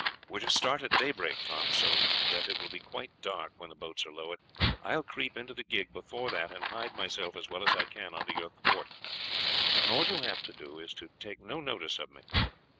"We are to start at daybreak, Tom, so that it will be quite dark when the boats are lowered. I will creep into the gig before that and hide myself as well as I can under your thwart, and all you have got to do is to take no notice of me.